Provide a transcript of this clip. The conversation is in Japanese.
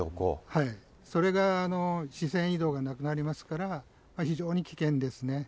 それが視線移動がなくなりますから、非常に危険ですね。